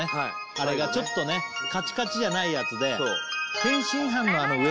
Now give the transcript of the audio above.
あれがちょっとねカチカチじゃないやつでああなるほどね